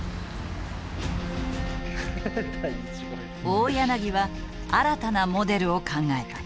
大柳は新たなモデルを考えた。